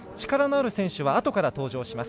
力のある選手はあとから登場。